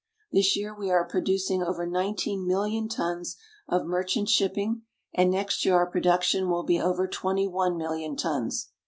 This year we are producing over nineteen million tons of merchant shipping and next year our production will be over twenty one million tons.